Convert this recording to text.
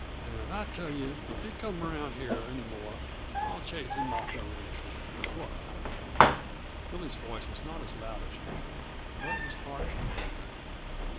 "And I tell yuh, if he comes around here any more I'll chase him off the ranch with a club!" Billy's voice was not as loud as usual, but it was harsh and angry.